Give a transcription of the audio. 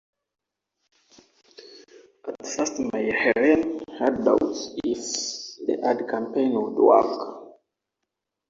At first, Myhren had doubts if the ad campaign would work.